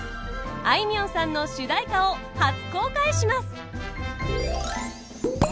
あいみょんさんの主題歌を初公開します。